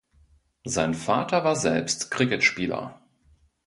Sein Vater war selbst Cricketspieler.